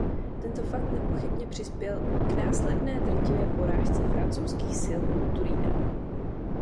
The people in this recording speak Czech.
Tento fakt nepochybně přispěl k následné drtivé porážce francouzských sil u Turína.